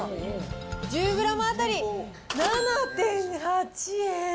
１０グラム当たり７．８円。